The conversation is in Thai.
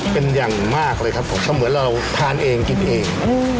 เหมือนกินเอง